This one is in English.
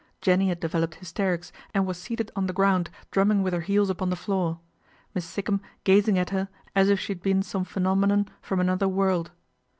Jenny had developed hysterics, and was seated on the ground drumming with her heels upon the floor, Miss Sikkum gazing at her as if she had been some phenomenon from another world.